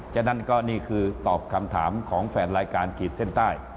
ฉะนั้นก็นี่คือตอบคำถามของแฟนรายการขีดเส้นใต้